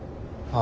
あ。